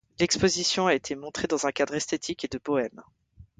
L'exposition a été montrée dans un cadre esthétique et de Bohème.